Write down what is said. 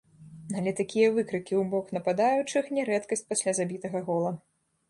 Але такія выкрыкі ў бок нападаючых не рэдкасць пасля забітага гола.